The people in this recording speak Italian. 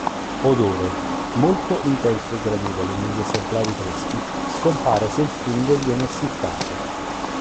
Odore: molto intenso e gradevole negli esemplari freschi, scompare se il fungo viene essiccato.